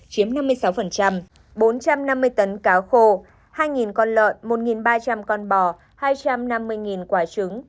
chiếm năm mươi sáu bốn trăm năm mươi tấn cá khô hai con lợn một ba trăm linh con bò hai trăm năm mươi quả trứng